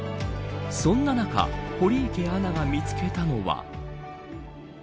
そんな中堀池アナが見つけたのは。